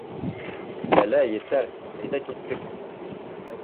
Ләлә, етәр, әйҙә, киттек.